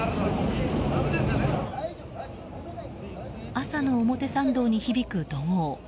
朝の表参道に響く怒号。